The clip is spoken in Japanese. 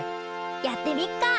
やってみっか。